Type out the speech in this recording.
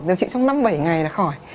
điều trị trong năm bảy ngày là khỏi